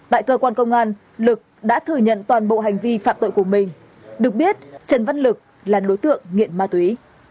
tại cơ quan công an lực đã thừa nhận toàn bộ hành vi phạm tội của mình được biết trần văn lực là đối tượng nghiện ma túy